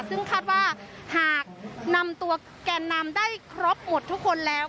ซึ่งคาดว่าหากนำตัวแกนนำได้ครบหมดทุกคนแล้ว